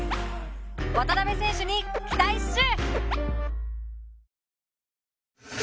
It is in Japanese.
渡邊選手に期待っシュ！